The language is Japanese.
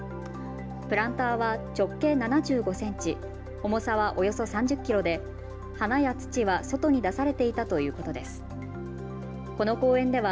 プランターは直径７５センチ、重さはおよそ３０キロで花や土は外に出されていたということです。